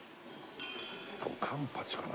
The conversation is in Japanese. カンパチかな？